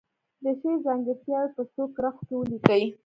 د شعر ځانګړتیاوې په څو کرښو کې ولیکي.